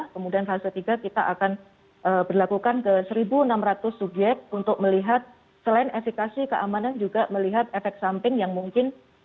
kemudian fase tiga kita akan berlakukan ke satu enam ratus subyek untuk melihat selain efekasi keamanan juga melihat efek samping yang mungkin